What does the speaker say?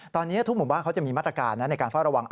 ตอนนี้ทุกหมู่บ้านเขาจะมีมาตรการในการเฝ้าระวัง